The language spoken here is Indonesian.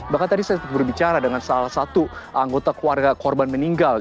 bahkan tadi saya berbicara dengan salah satu anggota keluarga korban meninggal